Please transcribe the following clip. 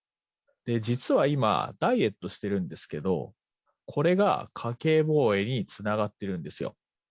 実は今、ダイエットしてるんですけど、これが家計防衛につながっているんですよ。